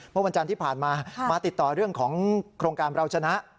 เมื่อวันจันทร์ที่ผ่านมามาติดต่อเรื่องของโครงการเราชนะ